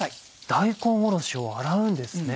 大根おろしを洗うんですね。